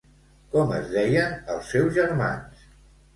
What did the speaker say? Com es deien els seus germans?